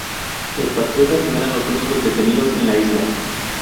Los patriotas no eran los únicos detenidos en la isla.